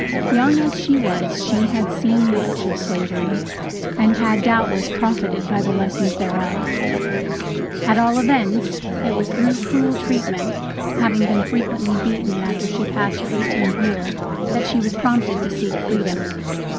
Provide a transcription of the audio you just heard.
Young as she was, she had seen much of slavery, and had, doubtless, profited by the lessons thereof. At all events, it was through cruel treatment, having been frequently beaten after she had passed her eighteenth year, that she was prompted to seek freedom.